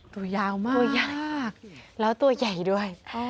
ตัวยาวมากตัวยากแล้วตัวใหญ่ด้วย